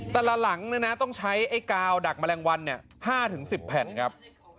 แต่ละหลังต้องใช้ไอ้กาวดักแมลงวัน๕๑๐แผ่นครับ